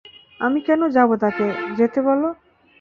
আমি কেন যাবো তাকে যেতে বলো।